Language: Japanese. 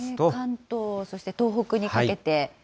関東、そして東北にかけて。